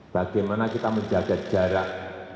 bagaimana kita menjaga jarak